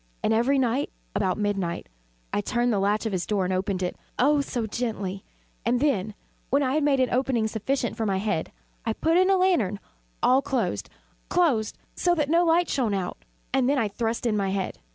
And every night, about midnight, I turned the latch of his door and opened it oh so gently! And then, when I had made an opening sufficient for my head, I put in a dark lantern, all closed, closed, that no light shone out, and then I thrust in my head.